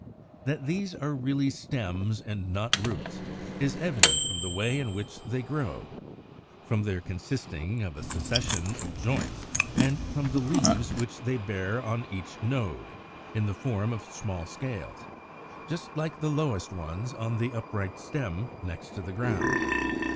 That these are really stems, and not roots, is evident from the way in which they grow; from their consisting of a succession of joints; and from the leaves which they bear on each node, in the form of small scales, just like the lowest ones on the upright stem next the ground.